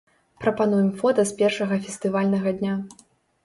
Прапануем фота з першага фестывальнага дня.